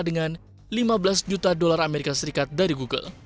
dengan lima belas juta dolar as dari google